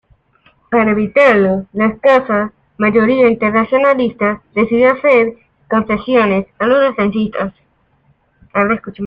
Para evitarlo, la escasa mayoría internacionalista decidió hacer concesiones a los defensistas.